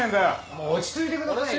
落ち着いてくださいよ。